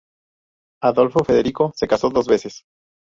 Adolfo Federico se casó dos veces.